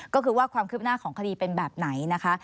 ก็คือว่าความคืบหน้าของคดีเป็นแบบไหนนะคะ